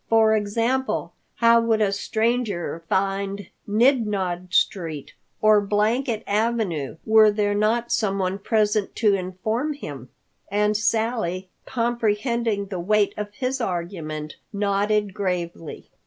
For example, how would a stranger find Nid Nod Street or Blanket Avenue, were there not someone present to inform him?" And Sally, comprehending the weight of his argument, nodded gravely.